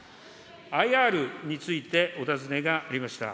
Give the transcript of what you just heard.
ＩＲについて、お尋ねがありました。